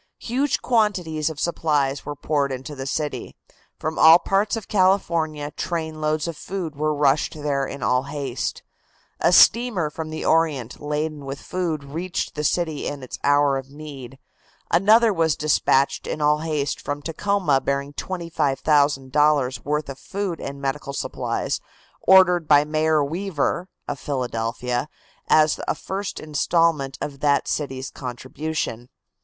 Huge quantities of supplies were poured into the city. From all parts of California trainloads of food were rushed there in all haste. A steamer from the Orient laden with food reached the city in its hour of need; another was dispatched in all haste from Tacoma bearing $25,000 worth of food and medical supplies, ordered by Mayor Weaver, of Philadelphia, as a first installment of that city's contribution.